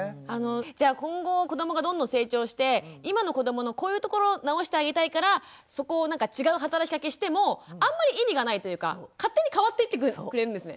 じゃあ今後子どもがどんどん成長して今の子どものこういうところ直してあげたいからそこをなんか違う働きかけしてもあんまり意味がないというか勝手に変わっていってくれるんですね？